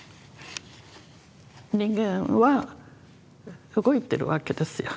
人間は動いてるわけですよ。